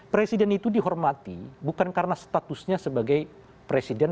presiden itu dihormati bukan karena statusnya sebagai presiden